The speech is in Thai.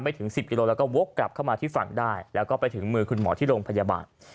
ถึง๑๐กิโลแล้วก็วกกลับเข้ามาที่ฝั่งได้แล้วก็ไปถึงมือคุณหมอที่โรงพยาบาล